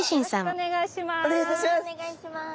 お願いいたします。